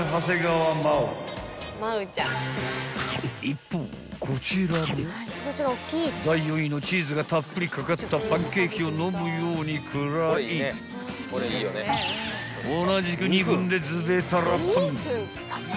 ［一方こちらも第４位のチーズがたっぷり掛かったパンケーキをのむように食らい同じく２分でずべたらぽん］